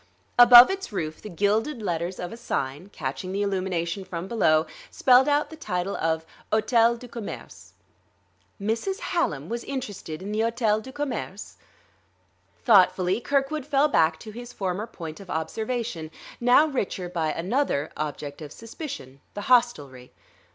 Above its roof the gilded letters of a sign, catching the illumination from below, spelled out the title of "Hôtel du Commerce." Mrs. Hallam was interested in the Hôtel du Commerce? Thoughtfully Kirkwood fell back to his former point of observation, now the richer by another object of suspicion, the hostelry.